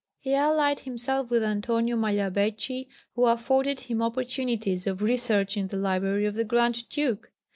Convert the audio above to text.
He allied himself with Antonio Magliabecchi, who afforded him opportunities of research in the library of the Grand Duke.